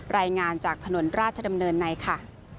รายงานจากถนนราชดำเนินในค่ะ